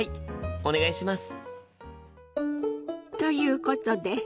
お願いします。